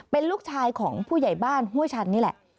เป็นลูกชายของผู้ใหญ่บ้านห้วยชันนี่แหละ